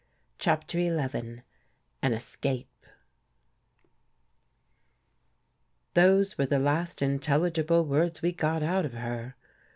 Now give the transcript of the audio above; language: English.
10 CHAPTER XI AN ESCAPE HOSE were the last intelligible words we got 1 out of her.